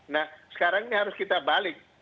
nah sekarang ini harus kita balik